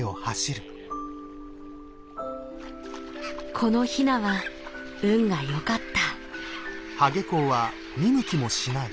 このヒナは運が良かった。